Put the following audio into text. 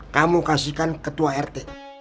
kamu kasihkan ketua rt